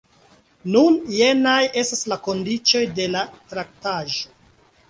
Nun, jenaj estas la kondiĉoj de la traktaĵo.